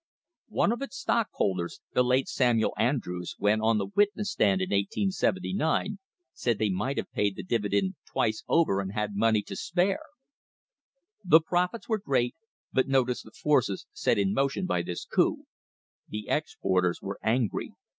One of its stockholders, the late Samuel Andrews, when on the witness stand in 1879, said they might have paid the dividend twice over and had money to spare. The profits were great, but notice the forces set in motion by this coup. The exporters were angry.